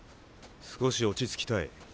少し落ち着きたい。